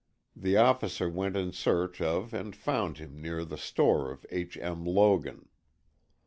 The officer went in search of and found him near the store of H. M. Logan.